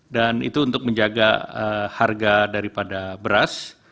dan itu untuk menjaga harga daripada beras